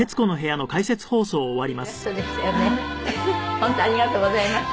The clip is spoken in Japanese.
本当ありがとうございました。